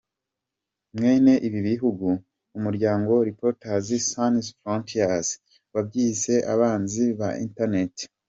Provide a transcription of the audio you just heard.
Mwene ibi bihugu, umuryango Reporters sans frontiers wabyise abanzi ba internet.